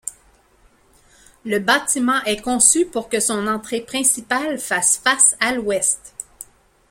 Le bâtiment est conçu pour que son entrée principale fasse face à l'ouest.